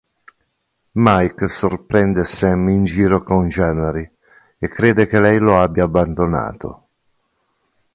Mike sorprende Sam in giro con January e crede che lei lo abbia abbandonato.